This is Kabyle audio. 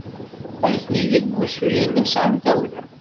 Atni deg wusu yerna sɛan tawla.